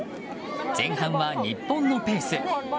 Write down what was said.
前半は日本のペース。